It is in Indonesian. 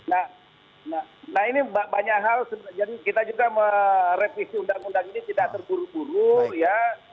nah ini banyak hal jadi kita juga merevisi undang undang ini tidak terburu buru ya